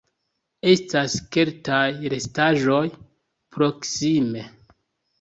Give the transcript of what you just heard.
Estas keltaj restaĵoj proksime.